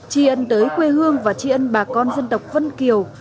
tri ân tới quê hương và tri ân bà con dân tộc vân kiều